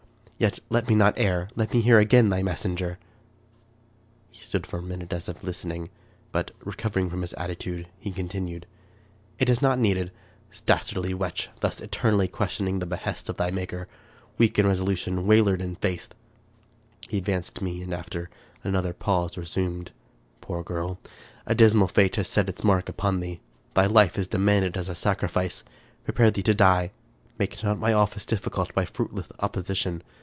Yet let me not err ; let me hear again thy messenger !" He stood for a minute as if listening; but, recovering from his attitude, he continued, " It is not needed. Das tardly wretch ! thus eternally questioning the behests of thy Maker ! weak in resolution, wayward in faith !" He advanced to me, and, after another pause, resumed :—" Poor girl ! a dismal fate has set its mark upon thee. Thy life is demanded as a sacrifice. Prepare thee to die. Make not my office difficult by fruitless opposition.